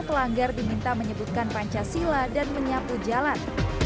pelanggar diminta menyebutkan pancasila dan menyapu jalan